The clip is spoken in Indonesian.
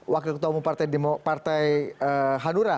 wakil ketemu partai hadura